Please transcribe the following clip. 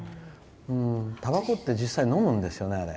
たばこって、実際のむんですよね。